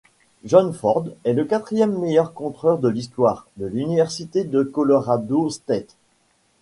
John Ford est le quatrième meilleur contreur de l'Histoire, de l'université de Colorado State.